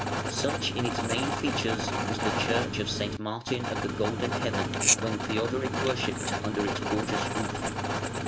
Such in its main features was the Church of "St. Martin of the Golden Heaven", when Theodoric worshipped under its gorgeous roof.